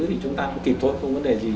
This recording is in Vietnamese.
thì chúng ta cũng kịp thối không vấn đề gì